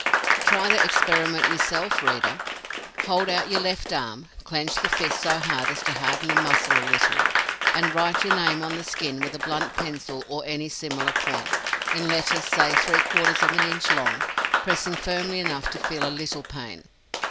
Try the experiment yourself, reader. Hold out your left arm; clench the fist so as to harden the muscle a little, and write your name on the skin with a blunt pencil or any similar point, in letters say three quarters of an inch long, pressing firmly enough to feel a little pain.